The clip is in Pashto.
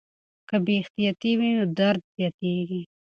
که بې احتیاطي وي درد زیاتېږي.